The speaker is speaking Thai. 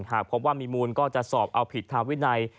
หากพบว่ามีมูลก็จะสอบเอาผิดทางวินัย